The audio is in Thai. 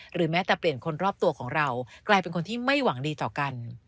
แม้แต่เปลี่ยนคนรอบตัวของเรากลายเป็นคนที่ไม่หวังดีต่อกัน